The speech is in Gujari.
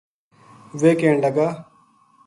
ویہ کہن لگا